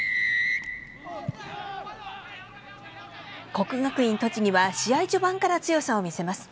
国学院栃木は試合序盤から強さを見せます。